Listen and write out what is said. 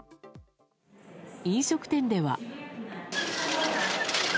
飲食店では。